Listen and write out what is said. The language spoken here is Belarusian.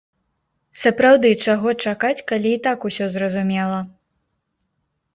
Сапраўды, чаго чакаць, калі і так усё зразумела?